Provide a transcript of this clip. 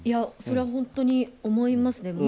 それは本当に思いますね。